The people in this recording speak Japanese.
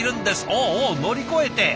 おお乗り越えて。